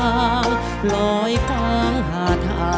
จะใช้หรือไม่ใช้ครับ